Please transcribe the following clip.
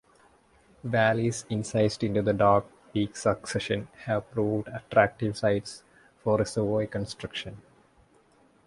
Valleys incised into the Dark Peak succession have proved attractive sites for reservoir construction.